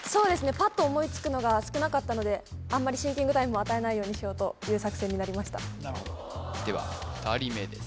パッと思いつくのが少なかったのであんまりシンキングタイム与えないようにしようという作戦になりましたなるほどでは２人目です